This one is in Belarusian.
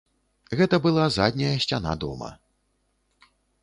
Гэта была задняя сцяна дома.